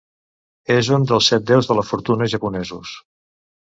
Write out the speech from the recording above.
És un dels Set Déus de la Fortuna japonesos.